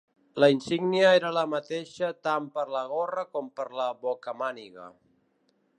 La insígnia era la mateixa tant per la gorra com per la bocamàniga.